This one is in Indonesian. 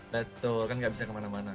betul kan gak bisa kemana mana kan